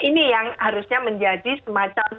ini yang harusnya menjadi semacam